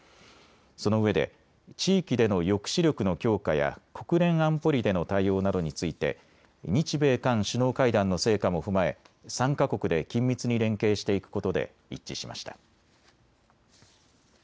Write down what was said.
そのうえで地域での抑止力の強化や国連安保理での対応などについて日米韓首脳会談の成果も踏まえ、３か国で緊密に連携していくことで一致しました。